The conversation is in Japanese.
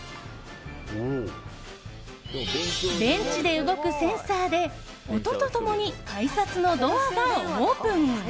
電池で動くセンサーで音と共に改札のドアがオープン！